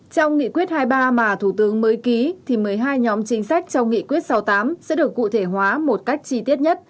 trong nghị quyết hai mươi ba mà thủ tướng mới ký thì một mươi hai nhóm chính sách trong nghị quyết sáu mươi tám sẽ được cụ thể hóa một cách chi tiết nhất